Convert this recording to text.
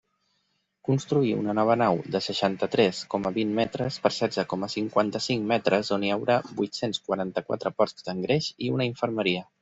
Construir una nova nau de seixanta-tres coma vint metres per setze coma cinquanta-cinc metres on hi haurà vuit-cents quaranta-quatre porcs d'engreix i una infermeria.